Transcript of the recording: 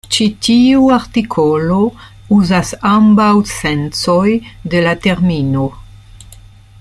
Ĉi tiu artikolo uzas ambaŭ sencoj de la termino.